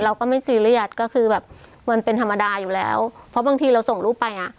เราก็ไม่ซีเรียสก็คือแบบมันเป็นธรรมดาอยู่แล้วเพราะบางทีเราส่งรูปไปอ่ะ